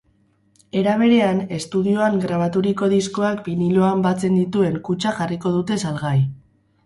Era berean, estudioan grabaturiko diskoak biniloan batzen dituen kutxa jarriko dute salgai.